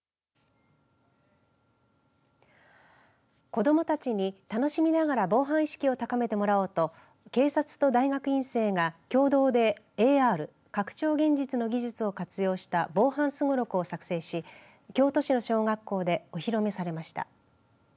子どもたちに楽しみながら防犯意識を高めてもらおうと警察と大学院生が共同でＡＲ・拡張現実の技術を活用した防犯すごろくを作成し京都市の小学校でお披露目されました。